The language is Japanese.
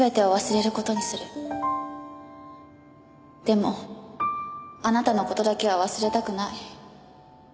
でもあなたの事だけは忘れたくない。